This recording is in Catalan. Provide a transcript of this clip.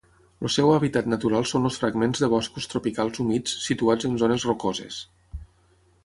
El seu hàbitat natural són els fragments de boscos tropicals humits situats en zones rocoses.